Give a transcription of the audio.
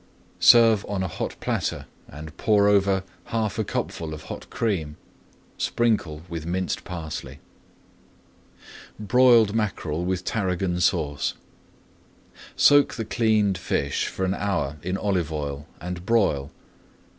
Serve on a hot platter and pour over half a cupful of hot cream. Sprinkle with minced parsley. BROILED MACKEREL WITH TARRAGON SAUCE Soak the cleaned fish for an hour in olive oil, and broil.